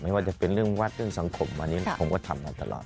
ว่าจะเป็นเรื่องวัดเรื่องสังคมอันนี้ผมก็ทำมาตลอด